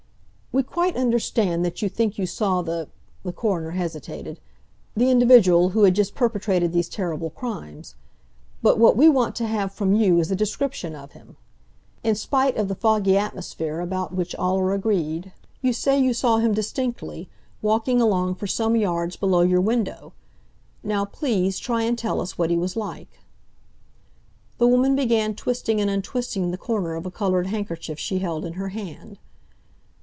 "We quite understand that you think you saw the"—the coroner hesitated—"the individual who had just perpetrated these terrible crimes. But what we want to have from you is a description of him. In spite of the foggy atmosphere about which all are agreed, you say you saw him distinctly, walking along for some yards below your window. Now, please, try and tell us what he was like." The woman began twisting and untwisting the corner of a coloured handkerchief she held in her hand.